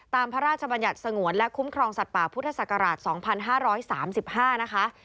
พระราชบัญญัติสงวนและคุ้มครองสัตว์ป่าพุทธศักราช๒๕๓๕นะคะ